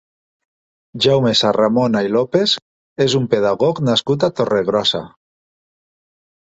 Jaume Sarramona i López és un pedagog nascut a Torregrossa.